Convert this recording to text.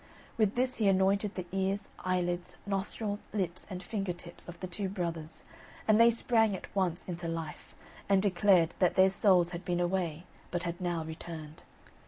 With this he anointed the ears, eyelids, nostrils, lips, and finger tips, of the two brothers, and they sprang at once into life, and declared that their souls had been away, but had now returned.